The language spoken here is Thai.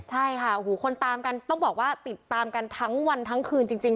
ใช่ค่ะโอ้โหคนตามกันต้องบอกว่าติดตามกันทั้งวันทั้งคืนจริง